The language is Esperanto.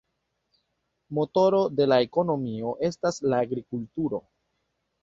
Motoro de la ekonomio estas la agrikulturo.